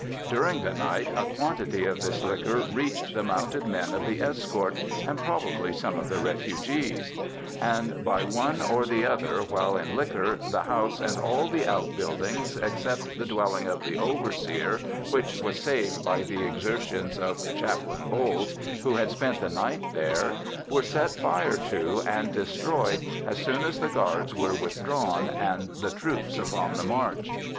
During the night a quantity of this liquor reached the mounted men of the escort, and probably some of the refugees; and by one or the other, while in liquor, the house and all the outbuildings, except the dwelling of the overseer which was saved by the exertions of Chaplain Bowles, who had spent the night there, were set fire to and destroyed as soon as the guards were withdrawn and the troops upon the march.